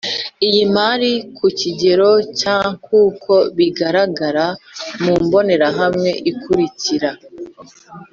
Y imari ku kigero cya nk uko bigararagara mu mbonerahamwe ikurikira